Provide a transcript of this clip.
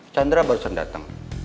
chandra baru saja datang